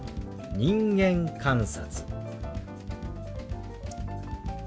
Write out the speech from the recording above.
「人間観察」。